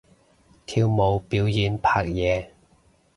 跳舞表演拍嘢